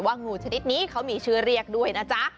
งูชนิดนี้เขามีชื่อเรียกด้วยนะจ๊ะ